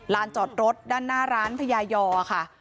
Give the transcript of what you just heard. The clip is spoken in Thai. จอดรถด้านหน้าร้านพญายอค่ะ